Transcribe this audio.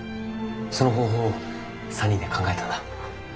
その方法を３人で考えたんだ。